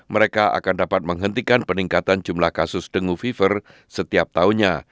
mereka akan dapat menghentikan peningkatan jumlah kasus dengu fiver setiap tahunnya